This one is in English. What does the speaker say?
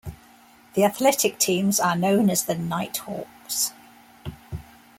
The athletic teams are known as the Night Hawks.